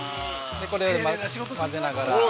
これを混ぜながら。